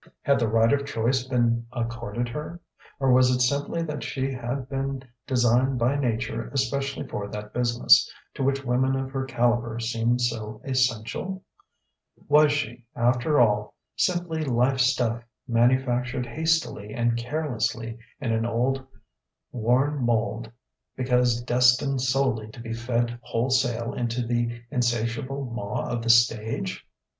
Had the right of choice been accorded her? Or was it simply that she had been designed by Nature especially for that business, to which women of her calibre seemed so essential? Was she, after all, simply life stuff manufactured hastily and carelessly in an old, worn mould, because destined solely to be fed wholesale into the insatiable maw of the stage?